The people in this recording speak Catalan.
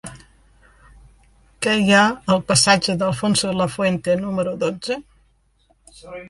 Què hi ha al passatge d'Alfonso Lafuente número dotze?